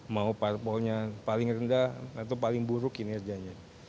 mau parpolnya paling rendah atau paling buruk ini harganya